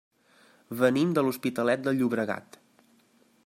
Venim de l'Hospitalet de Llobregat.